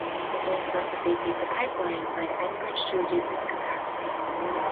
Concerns about the safety of the pipeline led Enbridge to reduce its capacity.